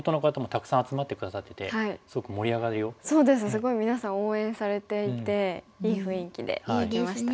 すごい皆さん応援されていていい雰囲気でできましたね。